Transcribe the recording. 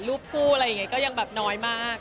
รูปคู่อะไรอย่างนี้ก็ยังแบบน้อยมาก